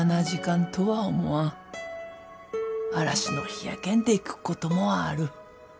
嵐の日やけんでくっこともある。